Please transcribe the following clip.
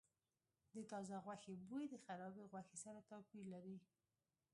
د تازه غوښې بوی د خرابې غوښې سره توپیر لري.